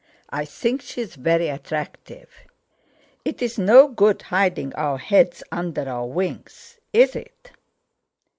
I think she's very attractive. It's no good hiding our heads under our wings, is it?"